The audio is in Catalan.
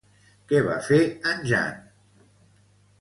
Què va fer en Jan?